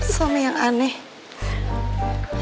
suami yang aneh